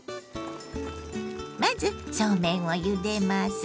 まずそうめんをゆでます。